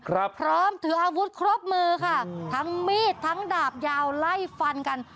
พร้อมถืออาวุธครบมือค่ะทั้งมีดทั้งดาบยาวไล่ฟันกัน